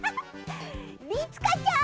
りつかちゃん！